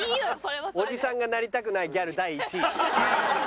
オジさんがなりたくないギャル第１位。